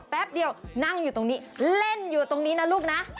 แป๊บเดียวนั่งอยู่ตรงนี้เล่นอยู่ตรงนี้นะลูกนะ